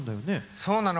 そうなの。